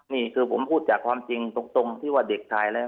นี่คือผมพูดจากความจริงตรงที่ว่าเด็กถ่ายแล้ว